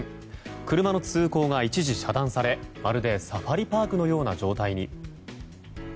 車の通行が一時遮断され、まるでサファリパークのような状態に。